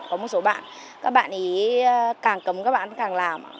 có một số bạn các bạn ý càng cấm các bạn càng làm